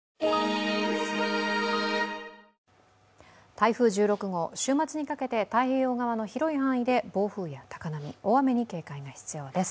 台風１６号、週末にかけて太平洋側の広い範囲で暴風や高波、大雨に警戒が必要です